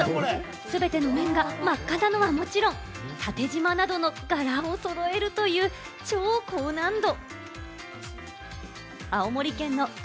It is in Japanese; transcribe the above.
全ての面が真っ赤なのはもちろん、縦縞などの柄を揃えるという超高難度。